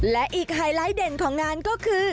และอีกไฮไลท์เด่นของงานก็คือ